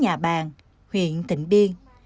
nhà bàng huyện tịnh biên